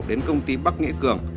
đến công ty bắc nghĩa cường